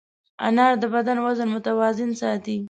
انار د بدن وزن متوازن ساتي.